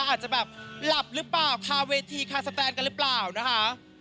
อาจจะแบบหลับหรือเปล่าคาเวทีคาสแตนกันหรือเปล่านะคะ